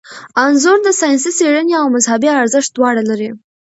انځور د ساینسي څیړنې او مذهبي ارزښت دواړه لري.